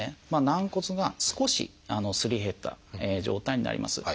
軟骨が少しすり減った状態になります。